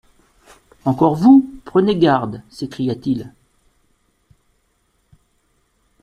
Encore vous ? prenez garde ! s'écria-t-il.